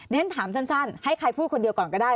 ฉันถามสั้นให้ใครพูดคนเดียวก่อนก็ได้